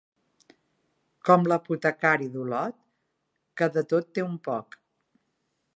Com l'apotecari d'Olot, que de tot té un poc.